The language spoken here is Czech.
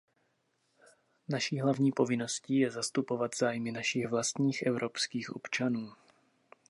Naší hlavní povinností je zastupovat zájmy našich vlastních evropských občanů.